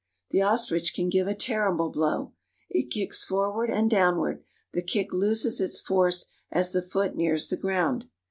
The ostrich can give a terrible blow. It kicks forward and downward; the kick loses its force as the foot nears the ground.